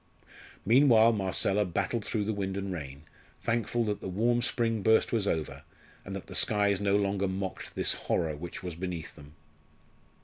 Meanwhile Marcella battled through the wind and rain, thankful that the warm spring burst was over, and that the skies no longer mocked this horror which was beneath them.